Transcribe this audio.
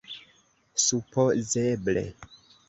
supozeble